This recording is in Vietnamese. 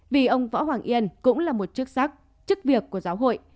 vì ông võ hoàng yên cũng là một chức sắc chức việc của giáo hội